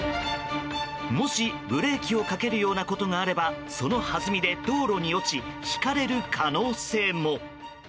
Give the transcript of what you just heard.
もし、ブレーキをかけるようなことがあればそのはずみで道路に落ちひかれる可能性も。